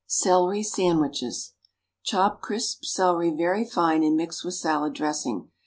=Celery Sandwiches.= Chop crisp celery very fine and mix with salad dressing.